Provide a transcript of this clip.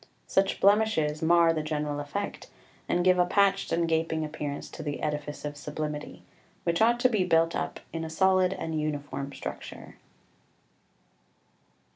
Such blemishes mar the general effect, and give a patched and gaping appearance to the edifice of sublimity, which ought to be built up in a solid and uniform structure.